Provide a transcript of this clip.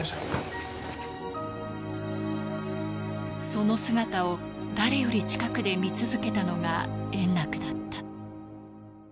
その姿を誰より近くで見続けたのが円楽だった。